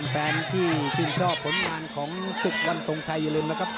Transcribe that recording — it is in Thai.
แฟนที่ชื่นชอบผลงานของศึกวันทรงชัยอย่าลืมนะครับ